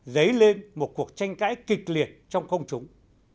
dấy lên một cuộc tranh cãi kịch liệt trong công chúng